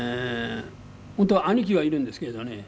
本当は兄貴がいるんですけれどね。